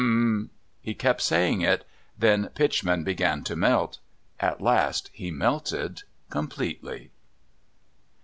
He kept saying it. Then Pitchman began to melt. At last he melted completely.